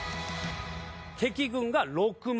敵軍が６万。